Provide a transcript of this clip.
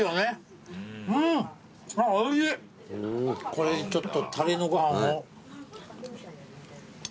これちょっとたれのご飯を。